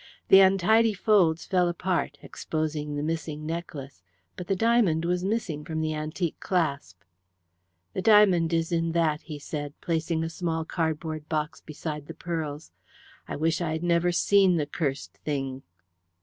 The untidy folds fell apart, exposing the missing necklace, but the diamond was missing from the antique clasp. "The diamond is in that," he said, placing a small cardboard box beside the pearls. "I wish I had never seen the cursed thing."